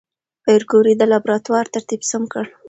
پېیر کوري د لابراتوار ترتیب سم کړ.